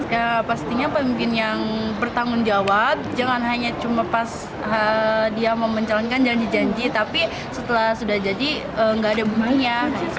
ya pastinya pemimpin yang bertanggung jawab jangan hanya cuma pas dia mau menjalankan jangan dijanji tapi setelah sudah jadi gak ada bunyinya